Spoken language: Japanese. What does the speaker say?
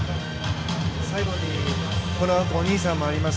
最後にこのあと、お兄さんもあります。